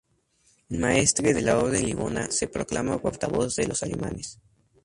El maestre de la Orden Livona se proclama portavoz de los alemanes.